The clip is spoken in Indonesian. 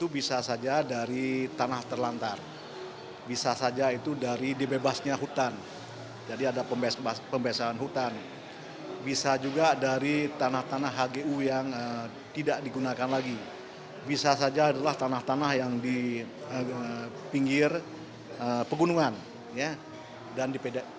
bisa saja adalah tanah tanah yang di pinggir pegunungan